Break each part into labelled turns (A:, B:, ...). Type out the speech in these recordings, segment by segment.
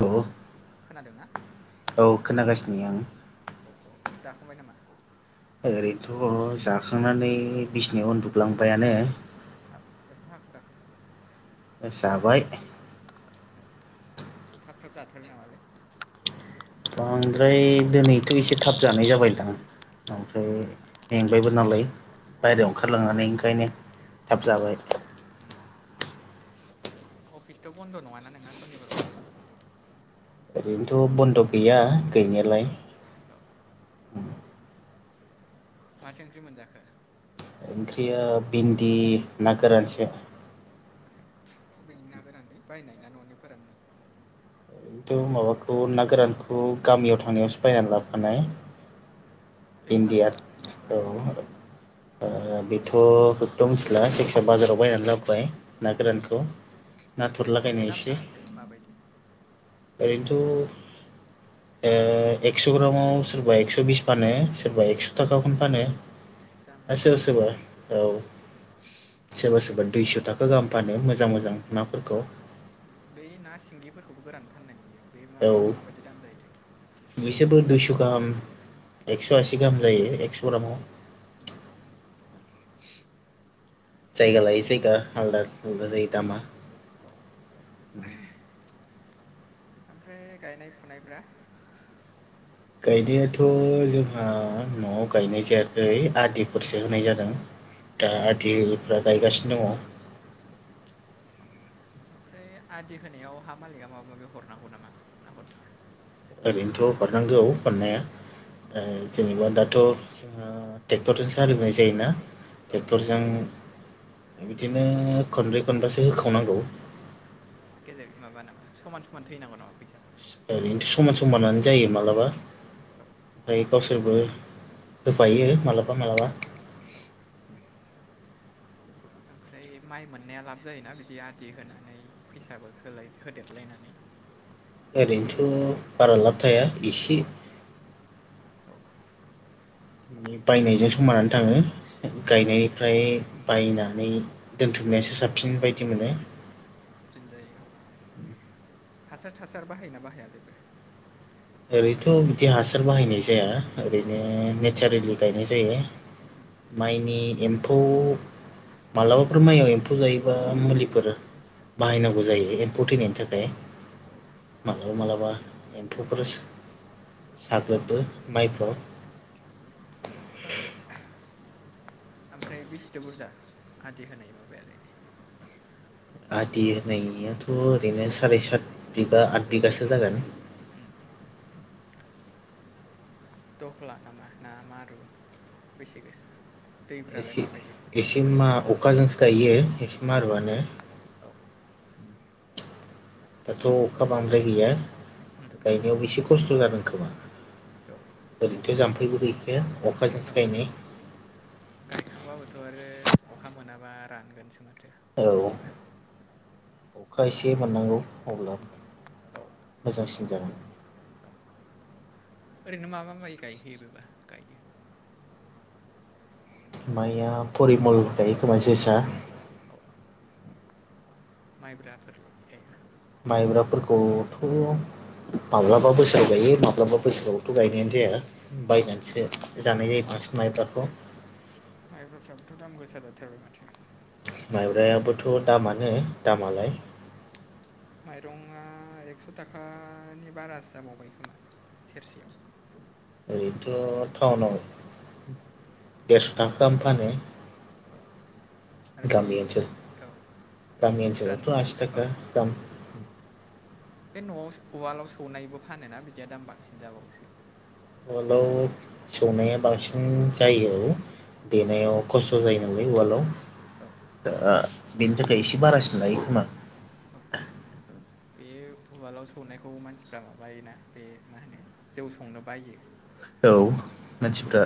A: Hello औ खोनागासिनो आं।
B: अ अ जाखांबाय नामा?
A: ओरैनोथ' जाखांनानै बिसनायाव उन्दुलांबायानो।
B: हाब एफा हाखु दाखु?
A: होस्राबाय।
B: औ थाब थाब जाथारो नामालै?
A: बांद्राय दिनैथ' एसे थाब जानाय जाबायदां ओमफ्राय में बायबो नालाय बाहेरायाव ओंखारलांनानै ओंखायनो थाब जाबाय‌।
B: उम उम अफिसथ' बन्द' नङाना नोंना सनिबारबाबो?
A: ओरैनोथ' बन्द' गैया गैनायालाय।
B: माथो ओंख्रि मोनजाखो?
A: ओंख्रिया भिन्दि ना गोरानसो।
B: अबेनि ना गोरानलै बायनाय ना न'नि फोराननाय?
A: ओरैनोथ' माबाखौ ना गोरानखौ गामियाव थांनायावसो बायनानै लाबोफानाय। भिन्डिया औ ओ बेथ' आंथ' मिथिला जायखि जाया बाजाराव बायनानै लाबोबाय ना गोरानखौ नाथुर लागायनाय एसे
B: मा बायदि?
A: ओरैनोथ' ओ एक्स' ग्रामाव सोरबा एकस' बिस फानो सोरबा एक्स' थाखाखौनो फानो।
B: दामा गोसायानो माथो।
A: औ सोरबा सोरबा दुइस' थाखा गाहाम फानो मोजां मोजां नाफोरखौ।
B: बै ना सिंगिफोरखौबो गोरान फाननाय नुयो बे मा माबायदि दाम जायोथाय?
A: बिसोरबो दुइस' गाहाम एकस'आसि गाहाम एकस' ग्राहामाव।
B: उम उम।
A: जायगा लायै जायगा आलदा आलदा जायो दामा।
B: औ औ ओमफ्राय गायनाय फुनायफ्रा
A: गायनायाथ' जोंहा न'आव गायनाय जायाखै आदिफोरसो होनाय जादों दा आदिफ्रा गायगासिनो दङ।
B: उम उम आमफ्राय आदि होनायाव हा मालिका माबा माबि हरनांगौ नामा ना हरनाङा?
A: ओरैनोथ' हरनांगौ हरनाया ओ जेनबा दा दाथ' जोङो ट्रेक्टरजों हालेवनाय जायोना ट्रेक्टरजों बिदिनो खनब्रै खनबासो होखावनांगौ।
B: बेलेख माबा नामा समान समान थैनांगौ नामा फैसाखौ?
A: ओरैनोथ' समान समानानो जायो मालाबा ओमफ्राय गावसोरबो होफायो मालाबा मालाबा
B: औ ओमफ्राय माइ मोननाया लाब जायोना बिदि आदि होनानै फैसाबो होदेरलायनानै।
A: ओरैनोथ' बारा लाब थाया एसे बायनायजों समनानै थाङो गायनायनिफ्राय बायनानै दोनथुमनायासो साबसिन बायदि मोनो।
B: बिदिनो जायो औ हासार थासार बाहायोना बाहाया जेबो?
A: ओरैनोथ' बिदि हासार बाहायनाय जाया ओरैनो नेचारेलि गायनाय जायो। माइनि एम्फौ मालाबाफोर माइआव एम्फौ जायोबा मुलिफोर बाहायनांगौ जायो एम्फौ थैनायनि थाखाय
B: औ
A: मालाबा मालाबा एम्फौफोर साग्लोबो माइफ्राव
B: औ ओमफ्राय बेसेथो बुरजा आदि होनाय माबायालाय?
A: आदि होनायनियाथ' ओरैनो साराय सात बिगा आठ बिघासो जागोन।
B: उम उम दह्ला नामा ना मारु बैसोरो? दैफ्रालाय माबायदि?
A: दाथ' अखा बांद्राय गैया गायनायाव एसे खस्थ' जादों खोमा। ओरैनोथ' जाम्फैबो गैखाया अखाजोंसो गायनाय।
B: गायखांबाबोथ' आरो अखा मोनाब्ला रानगोनसो माथो।
A: औ अखा एसे मोननांगौ अब्ला मोजांसिन जागोन
B: औ ओरैनो मा मा माइ गायहोयो बेबा गायो
A: माया परिमल गायोखोमा जोसा
B: औ मायब्राफोरलाय गाया
A: माइब्राफोरखौथ' माब्लाबा बोसोराव गायो माब्लाबा बोसोरावथ' गायनायानो जाया बायनानैसो जानाय जायो बांसिन माइब्राखौ
B: माइब्राफ्राबोथ' दाम गोसा जाथारबाय माथो
A: माइब्रायाबोथ' दामानो दामालाय
B: माइरंआ एक्स' थाखानि बारासो जाबावबाय खोमा सेरसेयाव
A: ओरैथ' टाउनाव देरस' थाखा गाहाम फानो
B: औ आरो बै औ मानसिफा औ औ बे न'आव उवालाव सौनायबो फानोना बिदिया दाम बांसिन जाबावोसो
A: अवालाव सौनाया बांसिन जायो औ देनायाव खस्थ' जायो नालाय वालडआव दा बेनि थाखाय एसे बारासिन लायो खोमा
B: औ बेयो उवालाव सौनायखौ मानसिफ्रा माबायोना बे मा होनो जौ संनो बायो।
A: औ मानसिफ्रा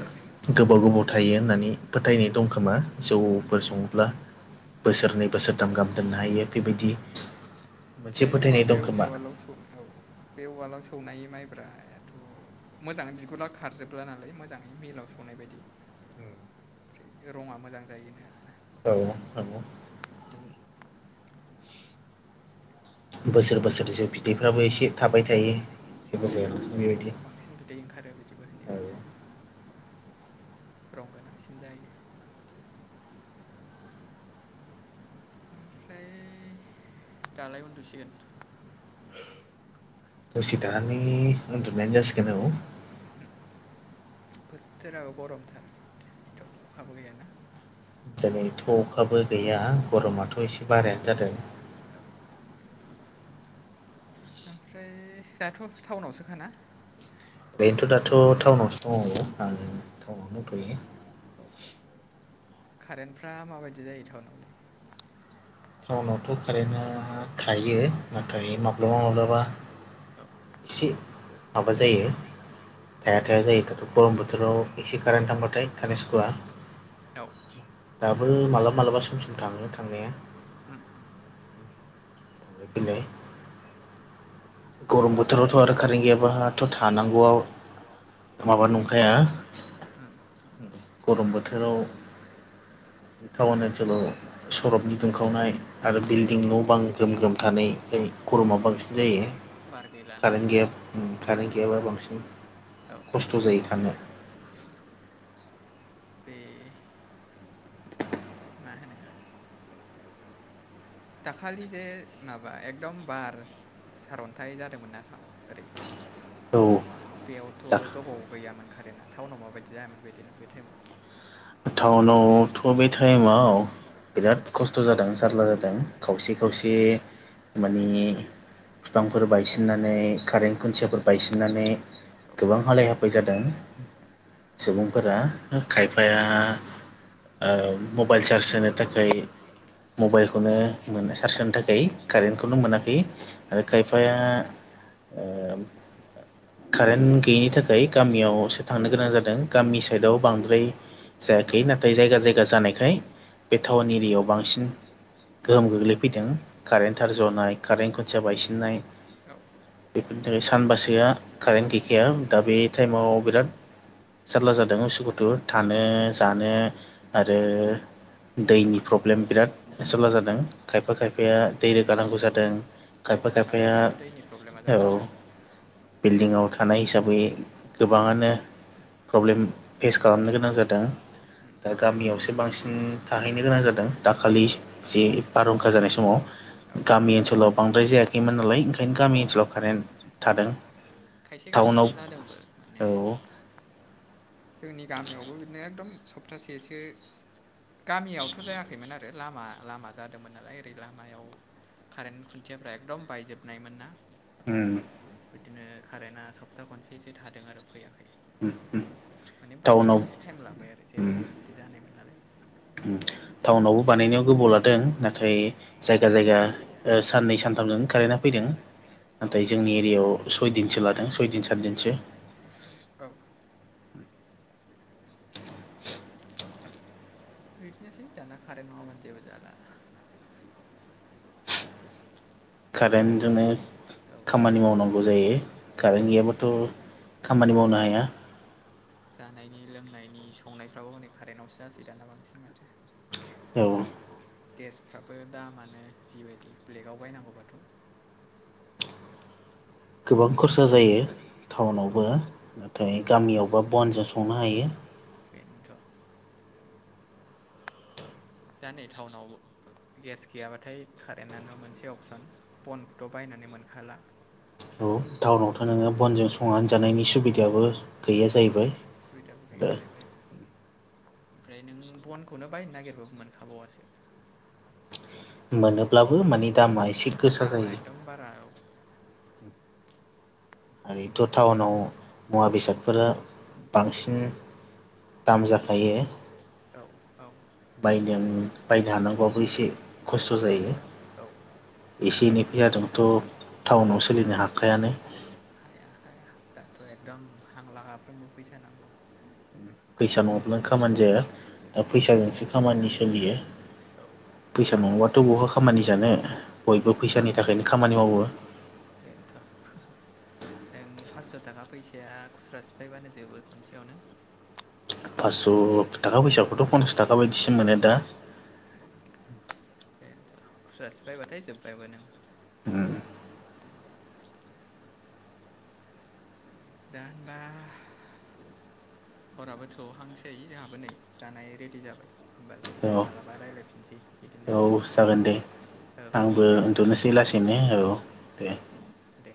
A: गोबाव गोबाव थायो होननानै फोथायनाय दंखोमा जौफोर सङोब्ला बोसोरनै बोसोरथाम गाहाम दोननो हायो बेबायदि
B: माने जौआ बे उवालाव सौ औ बे उवालाव सौनाय माइब्रायाथ' मोजाङै बिगुरला खारजोबला नालाय मोजाङै मिलाव सौनाय बायदि ओमफ्राय रंङा मोजां जायो नो आरो
A: औ औ
B: बोसोर बोसोर बिदैफ्राबो एसे थाबाय थायो औ औ बांसिन दै ओंखारो बिदिबो होनो आरो रं गोनांसिन जायो ओमफ्राय दालाय उन्दुसिगोन
A: दसे थानानै उन्दुनायानो जासिगोन औ
B: बोथोराबो गरमथार एथ' अखाबो गैयाना
A: दिनैथ' अखाबो गैया गरमाथ' एसे बारायानो जादों।
B: ओमफ्राय दाथ' टाउनावसोखाना?
A: बेनोथ' दाथ' टाउनावसो दङ' आं टाउनावनो दंथयो।
B: औ कारेन्टफ्रा माबादि जायो टाउनावलाय?
A: टाउनावथ' कारेन्टआ थायो नाथाय माब्लाबा माब्लाबा एसे माबा जायो थाया थाया जायो दाथ' गरम बोथोराव एसे कारेन्ट थांबाथाय थानो सुखुवा दाबो मालाबा मालाबा सम सम थाङो थांनाया।
B: ओम-ओम
A: [unintelligible] गरम बोथोरावथ' आरो कारेन्ट गैयाबाथ' थानांगौआव
B: थानांगौ आरो ओम-ओम
A: गरम बोथोराव टाउन ओनसोलाव सहरनि दुंखावनाय आरो बिल्डिं न' बां ग्रोम ग्रोम थानायखाय गरमा बांसिन जायो कारेन्ट गैया कारेन्ट गैयाबा बांसिन ख स्थ' जायो थांनो।
B: बे मा होनो दाखालि जे माबा एखदम बार सारअन्थायाइ जादोंमोनना थ' ओरै
A: औ
B: औ बेयावथ' गोबाव गैयामोन कारेन्टआ टाउनाव माबायदि जायामोन बेदिनो बे टाइमाव?
A: टाउनावथ' बे टाइमाव बिराद खस्थ' जादों जारला जादों खावसे खावसे माने बिफांफोर बायसिननानै कारेन्ट खुन्थियाफोर बायसिननानै गोबां हालाय हाफाय जादों। सुबुंफोरा खायफा फाया ओ मबाइल चार्ज होनो थाखाय मबाइलखौनो चार्ज होनो कारेन्टखौनो मोनाखै आरो खायफाया ओ कारेन्ट गैयिनि थाखाय गामियावसो थांनो गोनां जादों गामि साइडआव बांद्राय
B: जायाखै नाथाय जायगा जायगा जानायखाय बे टाउन एरियायाव बांसिन
A: गोहोम गोग्लैफैदों कारेन्ट थार जनाय कारेन्ट खुन्थिया बायसिननाय
B: औ
A: बेफोरनि थाखाय सानबासोआ कारेन्ट गैखाया दा बे टाइमाव बिराद जारला जादों उसु खुथु थानो जानो आरो दैनि प्रब्लेम बिरादस जा जादों खायफा खायफाया दै रोगानांगौ जादों खायफा खायफाया
B: औ
A: बिल्डिंआव थानाय हिसाबै गोबाङानो प्रब्लेम फेस खालाम
B: फेस खालामनो गोनां जादों गामियावसो बांसिन थाहैनो गोनां जादों दाखालि जे बारहुखा जानाय समाव गामि ओनसोलाव बांद्राय जायाखैमोन नालाय गामि ओनसोलाव थानाय खायसे गामियावथ' जादोंबो माने जोंनि गामियावबो बिदिनो एकदम सप्तासेसो गामियावथ' जायाखैमोन आरो लामा लामा जादोंमोन नालाय ओरै लामायाव कारेन खुन्थियाफ्रा एकदम बायजोबनायमोन ना
A: ओम
B: बिदिनो कारेन्टआ सप्ता खनसेसो थादों आरो फैयाखै। माने बानायनायाव एसे टाइम लाबाय आरो जेरावबो बिदि जानायमोन नालाय।
A: टाउनावबो बानायनायाव गोबाव ला दों नाथाय जायगा जायगा साननै सानथामजों कारेन्टआ फैदों। नाथाय जोंनि एरियायाव सयदिनसो लादों सयदिन सातदिनसो।
B: औ औ बिदिनोसै दाना कारेन्ट नङाबानो जेबो जाला।
A: कारेन्टजोंनो खामानि मावनांगौ जायो कारेन्ट गैयाबाथ' खामिनो मावनो हाया।
B: जानायनि लोंनायनि संनायफ्राबो हनै कारेन्टावसो जासै दाना बांसिन माथो।
A: औ
B: गेसफ्राबो दामानो जिबायदि ब्लेगाव बायनांगौबाथ'
A: गोबां खरसा जायो टाउनावबो नाथाय गामियावबा बनजों संनो हायो।
B: बेनोथ' दा नै टाउनाव गेस गैयाबाथाय कारेन्टआनो मोनसे अपसन बनखौथ' बायनानै मोनखाला।
A: औ टाउनावथ' नोङो बनजों संनानै जानायनि सुबिदायाबो गैया जाहैबाय।
B: सुबिदाबो गैया जाहैबाय औ ओमफ्राय नों बनखौनो बायनो नागिरबाबो मोनखाबावासो। मोनोब्लाबो दामा एसे गोसा जायो दामा एखदम बारा औ
A: आरोथ' टाउनाव मुवा बेसादफोरा बांसिन
B: दाम जाखायो औ औ। बायगोन बायनो हानांगौबबो एसे खस्थ जायो औ औ
A: एसे एनै फैसाजोंथ' टाउनाव सोलिनो हाखायानो।
B: हाया हाया दाथ' एकदम हां लागाफ्रोमबो फैसा नांगौ।
A: फैसा नङाब्लानो खामानि जाया दा फैसाजोंसो खामानि सोलियो। फैसा नंङाबाथ' बहा खामानि जानो बयबो फैसानि थाखायनो खामानि मावो।
B: बेनोथ' नों फास्स' थागा फैसाया खुस्राा सिफायबानो जोबो खनसेयावनो।
A: फास्स' थाखा फैसाखौथ' पनसास थाखा बायदिसो मोनो दा।
B: बेनोथ' खुस्रा सिफायबाथाय जोब्बायबो नों।
A: उम
B: दा होमबा हराबो थौहांसै जोंहाबो नै जानाय रेडि जाबाय। होमबालाय मालाबा रायलायफिनसै बिदिनो। औ जागोन दे औ दे उन्दुनोसै लासैनो औ औ औ दे।